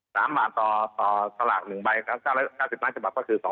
สมมุตินะครับมีเงินปากถุง๓บาทต่อตลาก๑ใบ๙๙๐ล้านคือ๒๗๐ล้าน